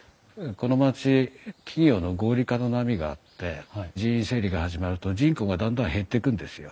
この町企業の合理化の波があって人員整理が始まると人口がどんどん減ってくんですよ。